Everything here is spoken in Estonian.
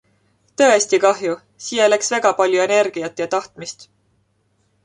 Tõesti kahju - siia läks väga palju energiat ja tahtmist.